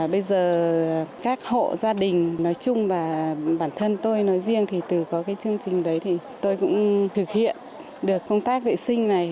bây giờ các hộ gia đình nói chung và bản thân tôi nói riêng thì từ có cái chương trình đấy thì tôi cũng thực hiện được công tác vệ sinh này